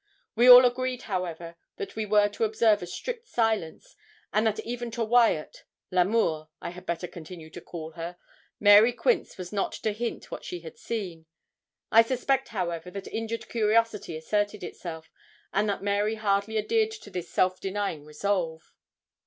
We all agreed, however, that we were to observe a strict silence, and that even to Wyat L'Amour I had better continue to call her Mary Quince was not to hint what she had seen. I suspect, however, that injured curiosity asserted itself, and that Mary hardly adhered to this self denying resolve.